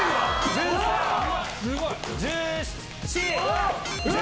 すごいわ！